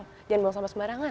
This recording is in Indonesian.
jangan buang sampah sembarangan